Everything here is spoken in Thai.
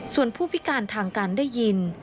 ส่วนผู้พิการทางการได้ยิน